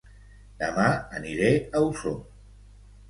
Dema aniré a Osor